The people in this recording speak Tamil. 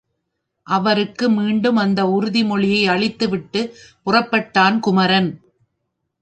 அவருக்கு மீண்டும் அந்த உறுதிமொழியை அளித்து விட்டுப் புறப்பட்டான் குமரன்.